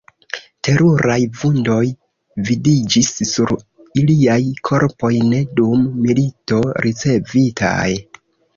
Teruraj vundoj vidiĝis sur iliaj korpoj, ne dum milito ricevitaj.